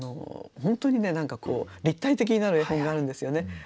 本当に何かこう立体的になる絵本があるんですよね。